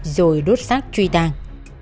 rồi đốt sát truy tàng